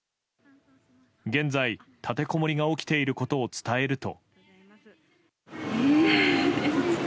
現在、立てこもりが起きていることを伝えると。